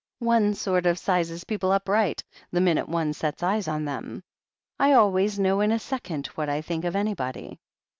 One sort of sizes people up right, the minute one sets eyes on them. I always know in a second what I think of anybody."